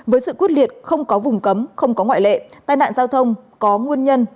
với sự quyết liệt không có vùng cấm không có ngoại lệ tai nạn giao thông có nguyên nhân